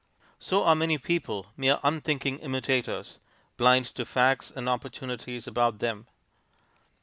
So are many people mere unthinking imitators, blind to facts and opportunities about them.